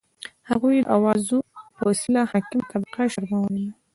هغوی د اوازو په وسیله حاکمه طبقه شرمولي ده.